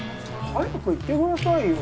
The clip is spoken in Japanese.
早く言ってくださいよ